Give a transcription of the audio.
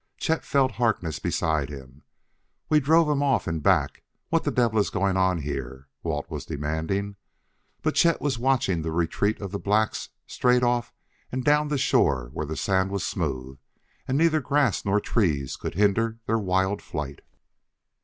Chet felt Harkness beside him. "We drove 'em off in back. What the devil is going on here?" Walt was demanding. But Chet was watching the retreat of the blacks straight off and down the shore where the sand was smooth and neither grass nor trees could hinder their wild flight.